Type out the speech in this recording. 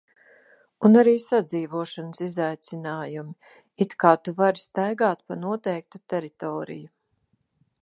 Un arī sadzīvošanas izaicinājumi. It kā tu vari staigāt pa noteiktu teritoriju.